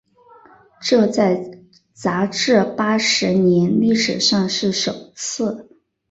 这在杂志八十年历史上是首次。